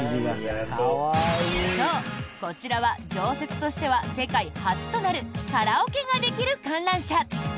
そう、こちらは常設としては世界初となるカラオケができる観覧車。